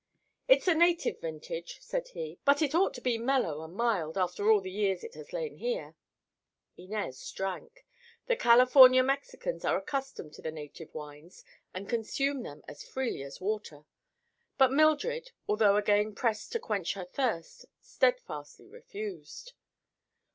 "It's a native vintage," said he, "but it ought to be mellow and mild after all the years it has lain here." Inez drank. The California Mexicans are accustomed to the native wines and consume them as freely as water. But Mildred, although again pressed to quench her thirst, steadfastly refused.